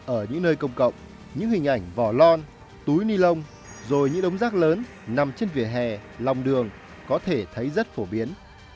ở những nơi công cộng những hình ảnh vỏ lon túi ni lông rồi những đống rác lớn nằm trên vỉa hè lòng đường có thể thấy rất phổ biến